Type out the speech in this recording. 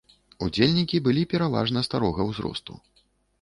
Удзельнікі былі пераважна старога ўзросту.